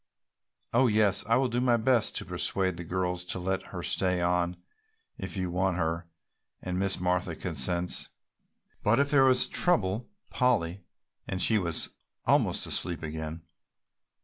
"Oh yes, I will do my best to persuade the girls to let her stay on if you want her and Miss Martha consents. But if there is trouble, Polly " and she was almost asleep again.